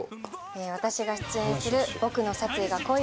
私が出演する『ボクの殺意が恋をした』